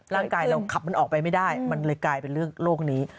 ร่างกายเราขับมันออกไปไม่ได้มันเลยกลายเป็นเรื่องโลกนี้